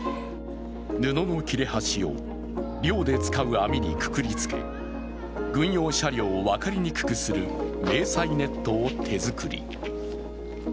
布の切れ端を漁で使う網にくくりつけ軍用車両を分かりにくくする迷彩ネットを手作り。